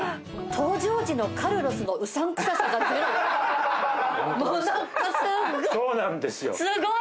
登場時のカルロスのもうなんかすごい。